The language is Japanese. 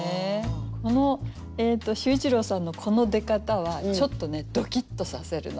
この秀一郎さんのこの出方はちょっとねドキッとさせるの。